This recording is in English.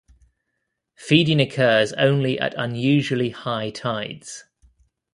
Feeding occurs only at unusually high tides.